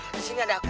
disini ada aku